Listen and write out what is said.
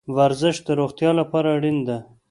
ورزش د روغتیا لپاره اړین ده